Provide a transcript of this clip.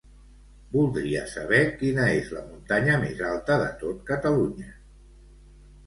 Voldria saber quina és la muntanya més alta de tot Catalunya.